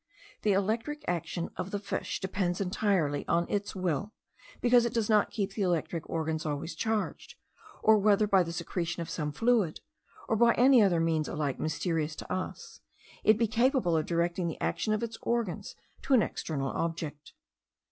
The electric action of the fish depends entirely on its will; because it does not keep its electric organs always charged, or whether by the secretion of some fluid, or by any other means alike mysterious to us, it be capable of directing the action of its organs to an external object.